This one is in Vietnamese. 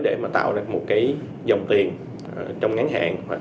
để mà tạo ra một cái dòng tiền trong ngắn hạn